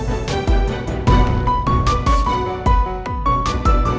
toilet di sebelah sana